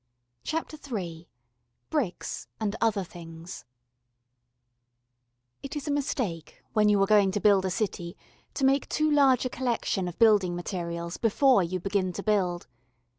CHAPTER III Bricks and Other Things IT is a mistake when you are going to build a city to make too large a collection of building materials before you begin to build.